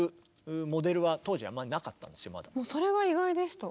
それが意外でした。